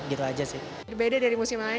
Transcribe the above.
beda dari museum lain